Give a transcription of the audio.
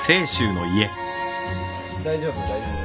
大丈夫大丈夫。